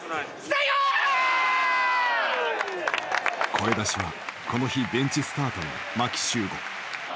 声出しはこの日ベンチスタートの牧秀悟。